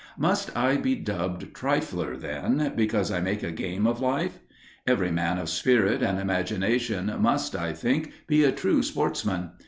Must I be dubbed trifler then, because I make a game of life? Every man of spirit and imagination must, I think, be a true sportsman.